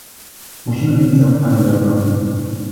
Musimy mieć zaufanie do Europy